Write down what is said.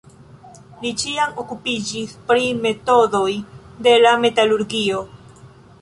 Li ĉiam okupiĝis pri metodoj de la metalurgio.